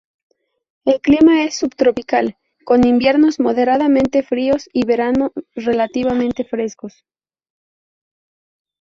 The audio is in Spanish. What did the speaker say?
El clima es subtropical con inviernos moderadamente fríos y verano relativamente frescos.